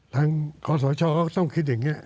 ทางขสไปช่องเค้าต้องคิดอย่างเนี้ย